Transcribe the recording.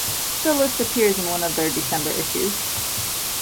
The list appears in one of their December issues.